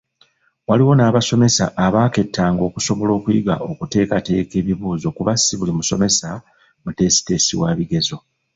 Waliwo n'abasomesa abakeetaaga okusobola okuyiga okuteekateeka ebibuuzo kuba ssi buli musomesa muteesiteesi wa bigezo.